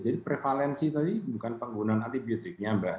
jadi prevalensi tadi bukan penggunaan antibiotiknya mbak